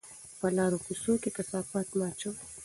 په لارو کوڅو کې کثافات مه اچوئ.